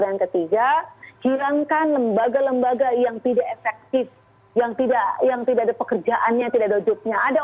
dan yang ketiga hilangkan lembaga lembaga yang tidak efektif yang tidak ada pekerjaannya tidak ada ujubnya